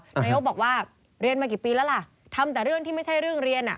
นายกบอกว่าเรียนมากี่ปีแล้วล่ะทำแต่เรื่องที่ไม่ใช่เรื่องเรียน